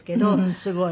すごい。